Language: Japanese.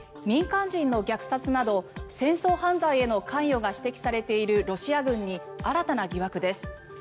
民間人の虐殺など戦争犯罪への関与が指摘されているロシア軍に新たな疑惑です。